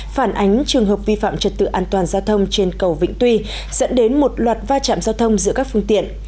phản ánh trường hợp vi phạm trật tự an toàn giao thông trên cầu vĩnh tuy dẫn đến một loạt va chạm giao thông giữa các phương tiện